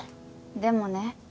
でもね